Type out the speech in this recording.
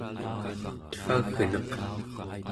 tevagneq